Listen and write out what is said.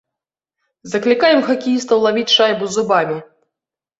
Заклікаем хакеістаў лавіць шайбу зубамі.